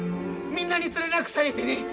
みんなにつれなくされてね